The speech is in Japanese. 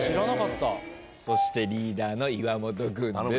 そしてリーダーの岩本君です。